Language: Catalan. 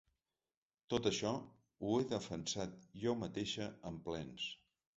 Tot això, ho he defensat jo mateixa en plens.